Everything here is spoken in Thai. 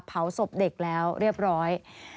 เผาศพเด็กแล้วเรียบร้อย